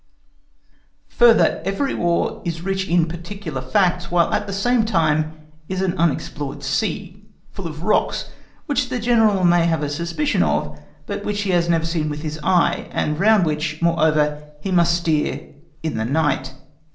Further, every War is rich in particular facts, while at the same time each is an unexplored sea, full of rocks which the General may have a suspicion of, but which he has never seen with his eye, and round which, moreover, he must steer in the night.